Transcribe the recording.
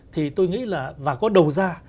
thì tôi nghĩ là và có đầu ra